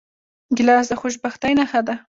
ګیلاس د خوشبختۍ نښه ده.